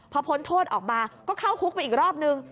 พอพ้นโทษออกมาก็เข้าคุกไปอีกรอบนึง